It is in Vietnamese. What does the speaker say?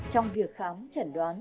trong việc khám chẩn đoán